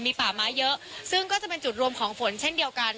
มีป่าไม้เยอะซึ่งก็จะเป็นจุดรวมของฝนเช่นเดียวกัน